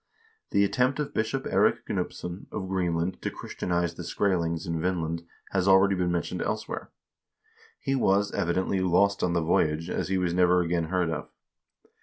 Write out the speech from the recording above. The attempt of Bishop Eirik Gnupsson of Greenland to Christianize the Skrselings in Vinland has already been mentioned elsewhere. He was, evidently, lost on the voyage, as he was never again heard of.